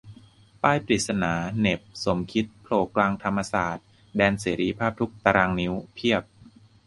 ป้ายปริศนา เหน็บ "สมคิด" โผล่กลางธรรมศาสตร์ แดนเสรีภาพทุกตารางนิ้ว เพียบ !